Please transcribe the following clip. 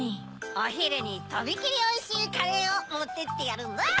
おひるにとびきりおいしいカレーをもってってやるんだ。